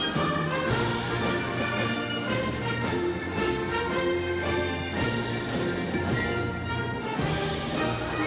mari teriakan bersama sama semangat kita